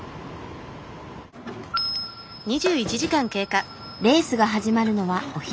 レースが始まるのはお昼から。